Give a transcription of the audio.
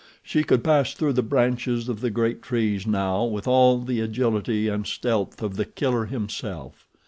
She could pass through the branches of the great trees now with all the agility and stealth of The Killer himself.